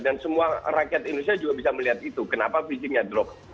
dan semua rakyat indonesia juga bisa melihat itu kenapa fisiknya drop